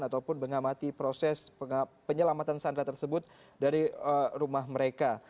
ataupun mengamati proses penyelamatan sandra tersebut dari rumah mereka